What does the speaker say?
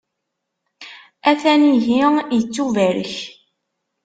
A-t-an ihi, ittubarek.